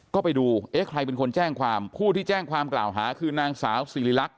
ก็ไปดูเอ๊ะใครเป็นคนแจ้งความผู้ที่แจ้งความกล่าวหาคือนางสาวสิริลักษ